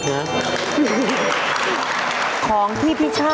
สวัสดีค่ะ